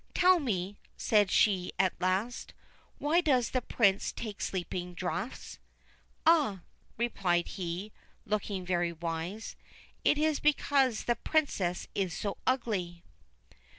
' Tell me,' said she at last, ' why does the Prince take sleeping draughts ?'' Ah !' replied he, looking very wise, ' it is because the Princess is so ugly.'